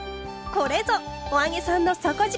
これぞ「“お揚げさん”の底力！」。